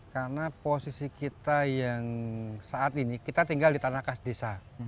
karena posisi kita yang saat ini kita tinggal di tanah kas desa